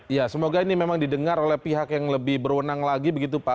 ya semoga ini memang didengar oleh pihak yang lebih berwenang lagi begitu pak